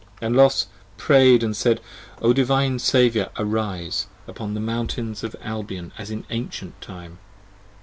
And Los prayed and said, O Divine Saviour arise Upon the Mountains of Albion as in ancient time.